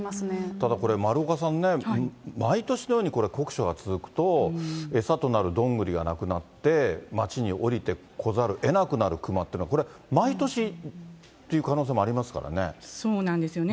ただこれ、丸岡さんね、毎年のように、これ、酷暑が続くと、餌となるどんぐりがなくなって、街に下りて来ざるをえなくなるクマっていうのは、これ、毎年ってそうなんですよね。